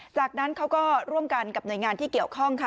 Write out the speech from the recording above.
จากนั้นเขาก็ร่วมกันกับหน่วยงานที่เกี่ยวข้องค่ะ